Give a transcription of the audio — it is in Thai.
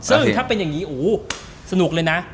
ซึ่งถ้าเป็นอย่างนี้โอ้โหสนุกเลยนะ